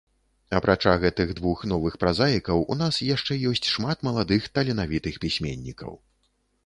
Апрача гэтых двух новых празаікаў у нас яшчэ ёсць шмат маладых таленавітых пісьменнікаў.